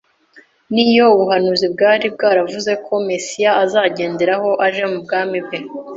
ni yo ubuhanuzi bwari bwaravuze ko Mesiya azagenderaho aje mu bwami bwe